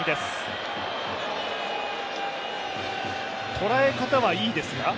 とらえ方はいいですか？